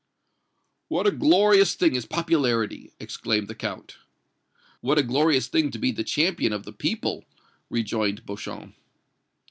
"What a glorious thing is popularity!" exclaimed the Count. "What a glorious thing to be the champion of the people!" rejoined Beauchamp.